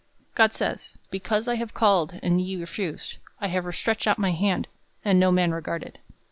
God says, "Because I have called, and ye refused; I have stretched out my hand, and no man regarded